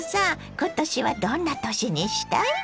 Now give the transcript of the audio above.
今年はどんな年にしたい？